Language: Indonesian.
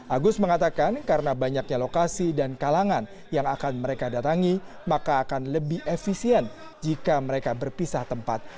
agus mengatakan karena banyaknya lokasi dan kalangan yang akan mereka datangi maka akan lebih efisien jika mereka berpisah tempat